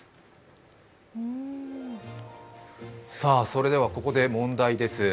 それではここで問題です。